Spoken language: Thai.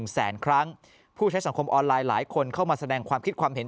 แสนครั้งผู้ใช้สังคมออนไลน์หลายคนเข้ามาแสดงความคิดความเห็น